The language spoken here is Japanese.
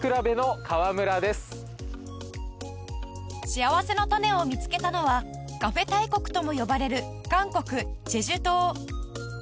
しあわせのたねを見つけたのはカフェ大国とも呼ばれる韓国済州島